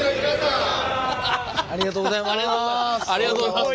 ありがとうございます！